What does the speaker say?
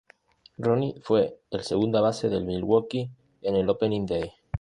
Ronnie fue el segunda base de Milwaukee en el Opening Day.